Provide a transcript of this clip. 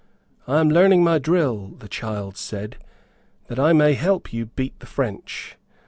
"I am learning my drill," the child said, "that I may help you to beat the French."